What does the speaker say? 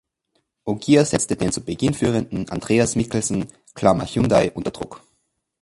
Ogier setzte den zu Beginn Führenden Andreas Mikkelsen (Hyundai) unter Druck.